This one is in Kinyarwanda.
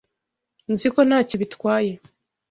Nzi ko ntacyo bitwaye